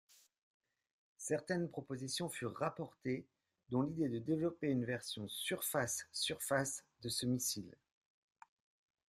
Certaines propositions furent rapportées, dont l'idée de développer une version surface-surface de ce missile.